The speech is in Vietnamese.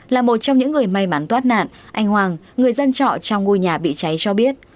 là một trong những người may mắn thoát nạn anh hoàng người dân trọ trong ngôi nhà bị cháy cho biết